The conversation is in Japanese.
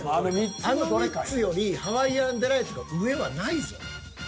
あの３つよりハワイアンデライトが上はないぞ。